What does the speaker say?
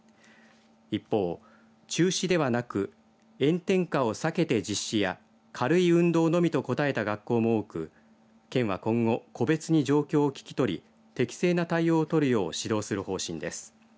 一方、中止ではなく炎天下を避けて実施や軽い運動のみと答えた学校も多く県は今後、個別に状況を聞き取り適正な対応をとるよう指導する方針です。